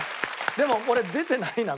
でも俺出てないな